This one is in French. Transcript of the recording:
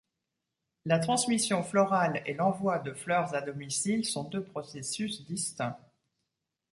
La transmission florale et l'envoi de fleurs à domicile sont deux processus distincts.